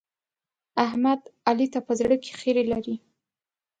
احمد؛ علي ته په زړه کې خيری لري.